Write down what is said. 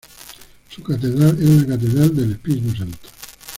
Su catedral es la Catedral del Espíritu Santo.